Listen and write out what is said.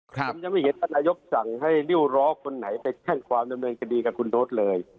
ผมยังไม่เห็นท่านนายกสั่งให้ริ้วร้อคนไหนไปแจ้งความดำเนินคดีกับคุณโน๊ตเลย